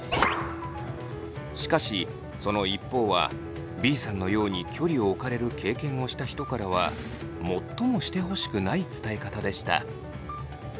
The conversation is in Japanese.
しかしその一方はＢさんのように距離を置かれる経験をした人からは最もしてほしくない伝え方でした。